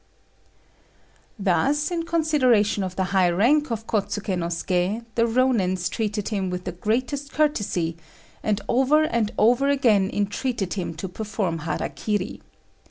Thus, in consideration of the high rank of Kôtsuké no Suké, the Rônins treated him with the greatest courtesy, and over and over again entreated him to perform _hara kiri.